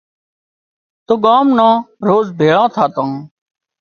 تو ڳان نان روز ڀيۯان ٿاتان